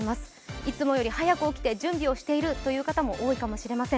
いつもより早く起きて準備をしているという方も多いかもしれません。